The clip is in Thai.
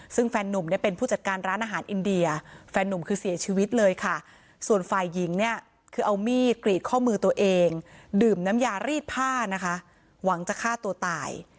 ซึ่งแฟนนุ่มเนี่ยเป็นผู้จัดการร้านอาหารอินเดียแฟนนุ่มคือเสียชีวิตเลยค่ะส่วนฝ่ายหญิงเนี่ยคือเอามีดกรีดข้อมือตัวเองดื่มน้ำยารีดผ้านะคะหวังจะฆ่าตัวตาย